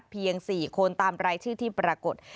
เพียง๔คนตามรายชื่อที่ปรากฏ